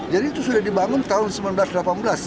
jadi itu sudah dibangun tahun seribu sembilan ratus delapan belas